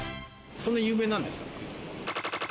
そんな有名なんですか？